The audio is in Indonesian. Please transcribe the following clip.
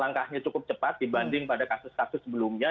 langkahnya cukup cepat dibanding pada kasus kasus sebelumnya